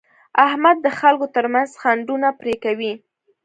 احمد د خلکو ترمنځ خنډونه پرې کوي.